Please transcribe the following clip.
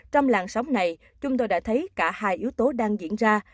trong làng sóng này chúng tôi đã thấy cả hai yếu tố đang diễn ra